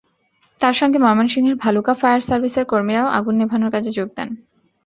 তাঁদের সঙ্গে ময়মনসিংহের ভালুকা ফায়ার সার্ভিসের কর্মীরাও আগুন নেভানোর কাজে যোগ দেন।